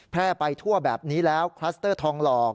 แพร่ไปทั่วแบบนี้แล้วคลัสเตอร์ทองหลอก